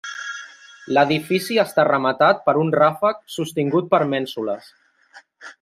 L'edifici està rematat per un ràfec sostingut per mènsules.